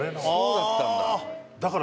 そうだったんだ。